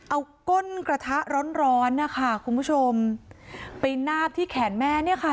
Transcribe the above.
เอาก้นกระทะร้อนร้อนนะคะคุณผู้ชมไปนาบที่แขนแม่เนี่ยค่ะ